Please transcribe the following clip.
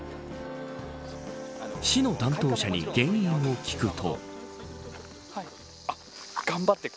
市の担当者に原因を聞くと。